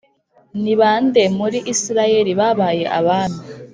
ni ba nde muri Isirayeli babaye abami